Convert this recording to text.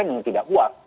yang tidak puas